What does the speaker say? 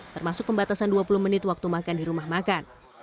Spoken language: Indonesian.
termasuk pembatasan dua puluh menit waktu makan di rumah makan